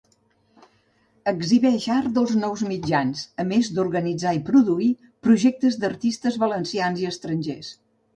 Exhibeix art dels nous mitjans, a més d'organitzar i produir projectes d'artistes valencians i estrangers.